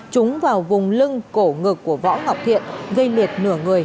trúng vào vùng lưng cổ ngực của võ ngọc thiên gây liệt nửa người